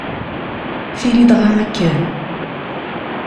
Tili dɣa akken!